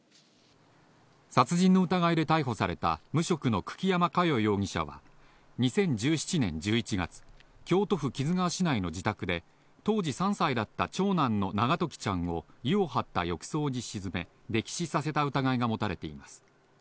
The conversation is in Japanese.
殺人の疑いで逮捕された無職の久木山佳代容疑者は、２０１７年１１月、京都府木津川市内の自宅で、当時３歳だった長男の永時ちゃんを、湯を張った浴槽に沈め、溺死させた疑いが持たれています。